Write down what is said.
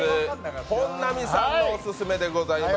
本並さんのオススメでございます。